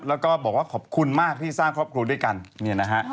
แล้วก็บอกว่าขอบคุณมากที่สร้างครอบครัวด้วยกันเนี่ยนะฮะ